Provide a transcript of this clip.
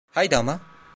Haydi ama!